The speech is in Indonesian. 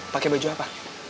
pake baju apa